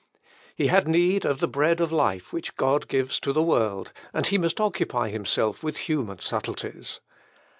He had need of the bread of life which God gives to the world, and he must occupy himself with human subtleties.